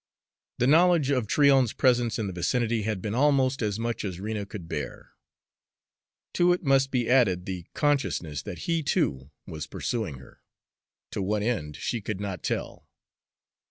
The knowledge of Tryon's presence in the vicinity had been almost as much as Rena could bear. To it must be added the consciousness that he, too, was pursuing her, to what end she could not tell.